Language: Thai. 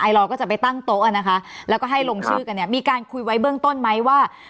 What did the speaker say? เราก็จะไปตั้งโต๊ะนะคะแล้วก็ให้ลงชื่อกันเนี่ยมีการคุยไว้เบื้องต้นไหมว่า